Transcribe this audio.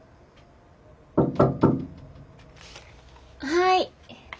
はい。